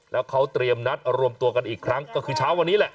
แล้วเขาเตรียมนัดรวมตัวกันอีกครั้งก็คือเช้าวันนี้แหละ